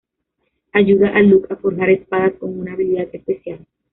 Ayuda a Luke a forjar espadas con una habilidad especial.